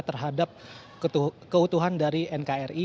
terhadap keutuhan dari nkri